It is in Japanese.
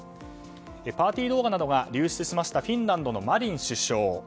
パーティー動画などが流出したフィンランドのマリン首相。